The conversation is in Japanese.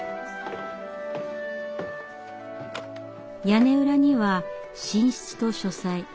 屋根裏には寝室と書斎。